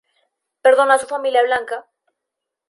Perdonó a su familia blanca.